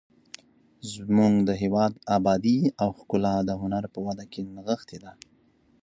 زموږ د هېواد ابادي او ښکلا د هنر په وده کې نغښتې ده.